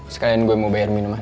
sekalian gue mau bayar minuman